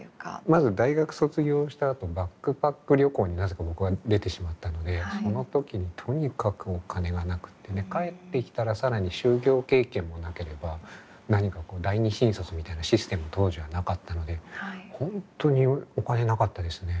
まず大学卒業したあとバックパック旅行になぜか僕は出てしまったのでその時にとにかくお金がなくてね帰ってきたら更に就業経験もなければ何か第２新卒みたいなシステム当時はなかったので本当にお金なかったですね。